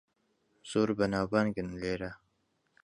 زۆر بەناوبانگن لێرە.